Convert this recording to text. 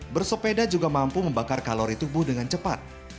bersepeda juga mampu membakar kalori tubuh dengan cepat